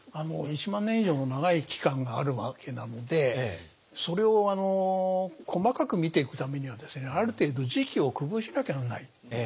１万年以上も長い期間があるわけなのでそれを細かく見ていくためにはですねある程度時期を区分しなきゃならない。